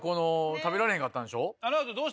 食べられへんかったんでしょ？